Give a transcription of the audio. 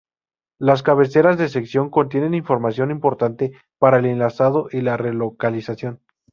Las cabeceras de sección contienen información importante para el enlazado y la relocalización.